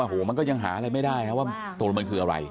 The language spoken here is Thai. โอ้โหมันก็ยังหาอะไรไม่ได้ว่าตกลงมันคืออะไร